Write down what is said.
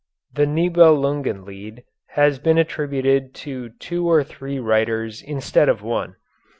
The Nibelungenlied has been attributed to two or three writers instead of one.